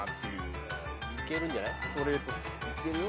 いけるんじゃない？